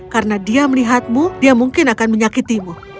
karena dia melihatmu dia mungkin akan menyakitimu